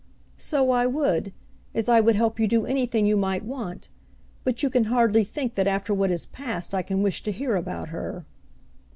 "So I would, as I would help you do anything you might want; but you can hardly think that after what has passed I can wish to hear about her."